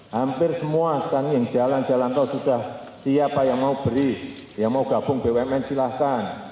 hampir semua sekarang yang jalan jalan tol sudah siapa yang mau beri yang mau gabung bumn silahkan